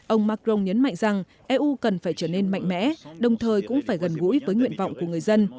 ông macron nhấn mạnh rằng eu cần phải trở nên mạnh mẽ đồng thời cũng phải gần gũi với nguyện vọng của người dân